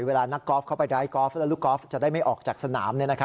เวลานักกอล์ฟเข้าไปไร้กอล์ฟแล้วลูกกอล์ฟจะได้ไม่ออกจากสนาม